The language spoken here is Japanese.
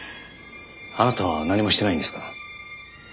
あなたは何もしていないんですか？